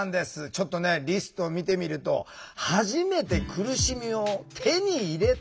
ちょっとねリストを見てみると「はじめて苦しみを手に入れた」。